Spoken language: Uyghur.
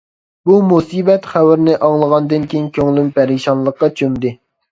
بۇ مۇسىبەت خەۋىرىنى ئاڭلىغاندىن كېيىن كۆڭلۈم پەرىشانلىققا چۆمدى.